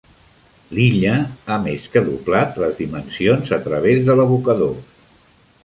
L'illa ha més que doblat les dimensions a través de l'abocador.